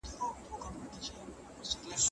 باید د بدمرغیو مخه ونیول سي.